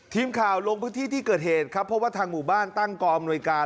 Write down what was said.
ทีมข่าวลงพื้นที่ที่เกิดเหตุครับเพราะว่าทางหมู่บ้านตั้งกองอำนวยการ